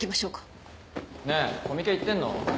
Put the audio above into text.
ねえコミケ行ってんの？